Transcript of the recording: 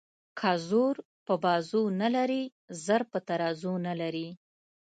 که زور په بازو نه لري زر په ترازو نه لري.